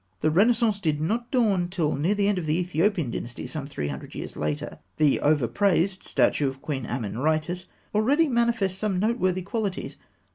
] The Renaissance did not dawn till near the end of the Ethiopian Dynasty, some three hundred years later. The over praised statue of Queen Ameniritis (fig. 202) already manifests some noteworthy qualities.